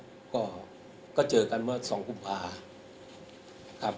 วันเกิดผมนะครับก็เจอกันเมื่อสองคุณภาพ